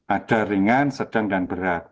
ada ringan sedang dan berat